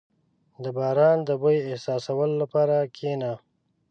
• د باران د بوی احساسولو لپاره کښېنه.